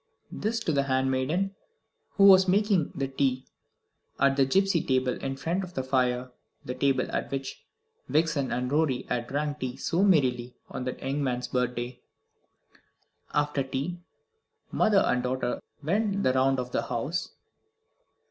This to the handmaiden, who was making tea at the gipsy table in front of the fire the table at which Vixen and Rorie had drunk tea so merrily on that young man's birthday. After tea mother and daughter went the round of the house.